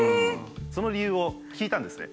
その理由を聞いたんですね。